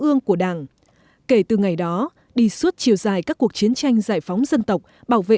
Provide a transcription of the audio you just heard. ương của đảng kể từ ngày đó đi suốt chiều dài các cuộc chiến tranh giải phóng dân tộc bảo vệ